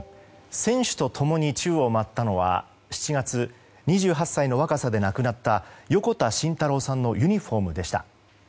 選手と共に宙を舞ったのは７月、２８歳の若さで亡くなった横田慎太郎さんのユニホームでした。